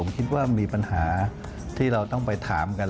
ผมคิดว่ามีปัญหาที่เราต้องไปถามกัน